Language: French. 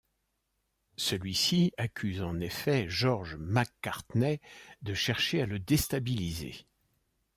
Celui-ci accuse en effet George Macartney de chercher à le déstabiliser.